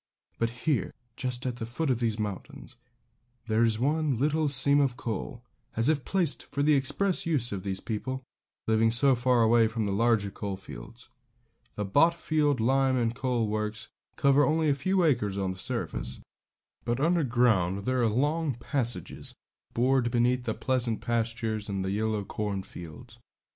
But here, just at the foot of these mountains, there is one little seam of coal, as if placed for the express use of these people, living so far away from the larger coal fields. The Botfield lime and coal works cover only a few acres of the surface; but underground there are long passages bored beneath the pleasant pastures and the yellow cornfields.